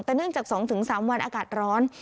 แต่เนื่องจาก๒๓วันอากาศร้อน